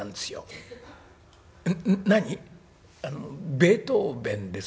「ベートーベンです。